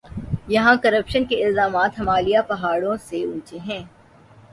یہاں کرپشن کے الزامات ہمالیہ پہاڑوں سے اونچے ہیں۔